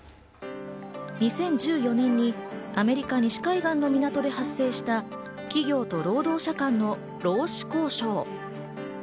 ２０１４年にアメリカ西海岸の港で発生した企業と労働者間の労使交渉。